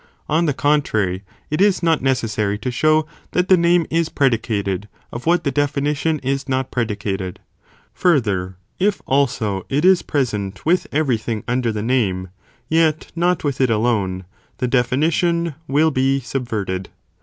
On the contrary, it is not necessary to show that the name is predicated, of what the definition is not « Buhle and Predicated.* Further, if also it is present with Taylor insert every thing under the name, yet not with it alone, ae the definition will be subverted.